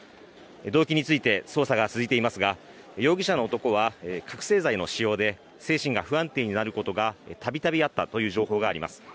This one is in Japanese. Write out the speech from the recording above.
動機について捜査が続いていますが、容疑者の男は覚醒剤の使用で精神が不安定になることがたびたびあったという情報があります。